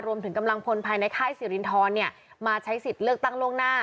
กำลังพลภายในค่ายสิรินทรมาใช้สิทธิ์เลือกตั้งล่วงหน้า